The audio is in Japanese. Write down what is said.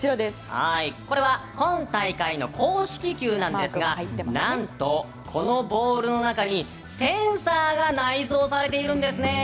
これは今大会の公式球ですが何と、このボールの中にセンサーが内蔵されているんですね。